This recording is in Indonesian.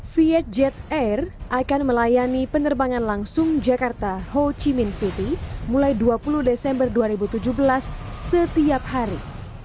vietjet air akan melayani penerbangan langsung jakarta ho chi minh city mulai dua puluh desember dua ribu tujuh belas setiap hari